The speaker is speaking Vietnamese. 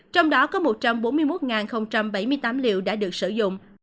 trong đó có một trăm bốn mươi một bảy mươi tám liệu đã được sử dụng